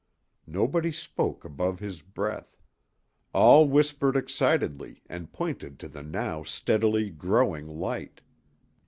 Nobody spoke above his breath; all whispered excitedly and pointed to the now steadily growing light.